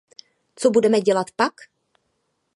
Co budeme dělat pak?